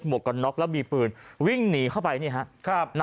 วกกันน็อกแล้วมีปืนวิ่งหนีเข้าไปนี่ฮะ